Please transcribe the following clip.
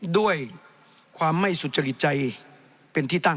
ด้วยความไม่สุจริตใจเป็นที่ตั้ง